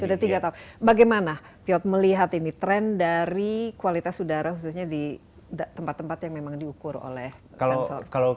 sudah tiga tahun bagaimana piot melihat ini tren dari kualitas udara khususnya di tempat tempat yang memang diukur oleh sensor